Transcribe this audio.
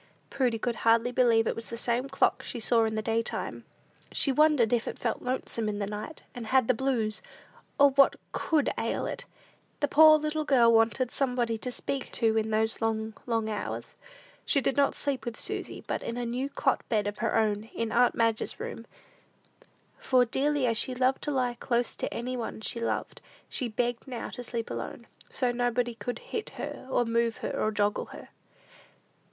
Prudy could hardly believe it was the same clock she saw in the daytime. She wondered if it felt lonesome in the night, and had the blues; or what could ail it! The poor little girl wanted somebody to speak to in these long, long hours. She did not sleep with Susy, but in a new cot bed of her own, in aunt Madge's room; for, dearly as she loved to lie close to any one she loved, she begged now to sleep alone, "so nobody could hit her, or move her, or joggle her."